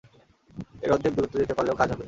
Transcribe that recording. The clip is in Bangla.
এর অর্ধেক দূরত্বে যেতে পারলেও কাজ হবে।